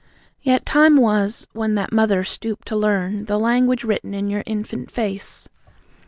Yet, time was, when that Mother stooped to learn The language written in your infant face.